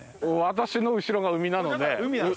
私の後ろが海なので。